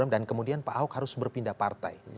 dan kemudian pak ahok harus berpindah partai